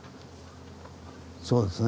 そうですね。